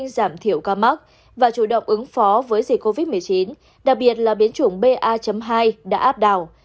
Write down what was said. giảm thiểu ca mắc và chủ động ứng phó với dịch covid một mươi chín đặc biệt là biến chủng ba hai đã áp đảo